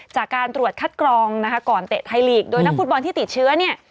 จากการตรวจคัดกรองนะคะก่อนเตะไทยลีกโดยนักฟุตบอลที่ติดเชื้อเนี่ย